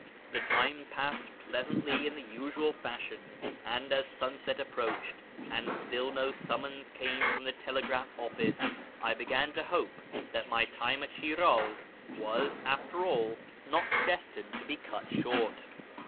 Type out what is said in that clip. The time passed pleasantly in the usual fashion ; and as sunset approached, and still no summons came from the telegraph office, I began to hope that my time at Shiraz was, after all, not destined to be cut short.